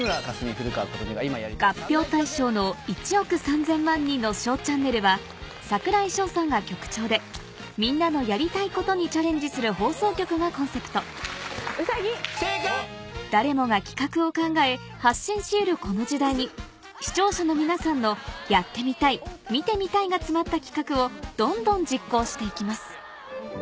合評対象の『１億３０００万人のＳＨＯＷチャンネル』は櫻井翔さんが局長でみんなのやりたいことにチャレンジする放送局がコンセプト誰もが企画を考え発信し得るこの時代に視聴者の皆さんの「やってみたい見てみたい」が詰まった企画をどんどん実行して行きます